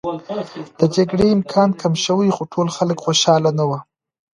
د جګړې امکان کم شو، خو ټول خلک خوشحاله نه و.